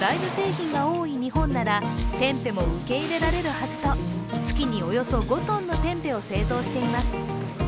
豆腐や納豆など大豆製品が多い日本ならテンペも受け入れられるはずと月におよそ５ｔのテンペを製造しています。